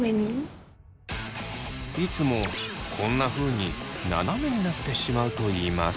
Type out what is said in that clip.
いつもこんなふうにななめになってしまうといいます。